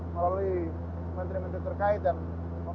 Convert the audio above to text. melalui menteri menteri terkait dan mengambil kebijakan di tingkat pusat